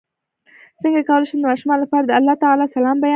څنګه کولی شم د ماشومانو لپاره د الله تعالی سلام بیان کړم